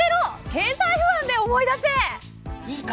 経済不安で思い出せ。